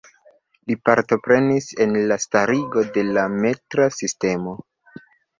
Li partoprenis en la starigo de la metra sistemo.